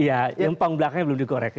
iya yang panggung belakangnya belum digoreng